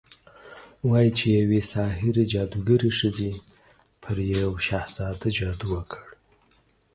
وايي چې يوې ساحرې، جادوګرې ښځې پر يو شهزاده جادو وکړ